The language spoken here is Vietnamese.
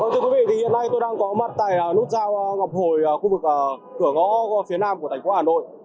thưa quý vị hiện nay tôi đang có mặt tại nút giao ngọc hồi khu vực cửa ngõ phía nam của thành phố hà nội